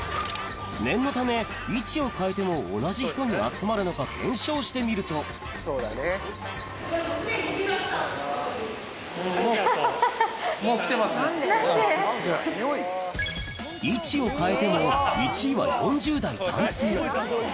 念のため位置を変えても同じ人に集まるのか検証してみると位置を変えても１位は４０代男性